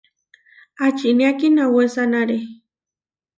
¿Ačinía kinawésanare?